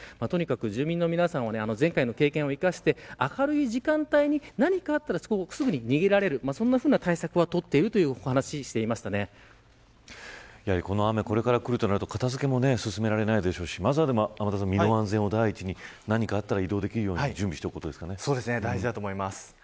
住民の皆さんも前回の経験を生かして、明るい時間帯に何かあったらすぐに逃げられる対策は取っているというこの雨、これから来るとなると片付けが進められないでしょうしまずは身の安全を大事に何かあったら移動できるように大事だと思います。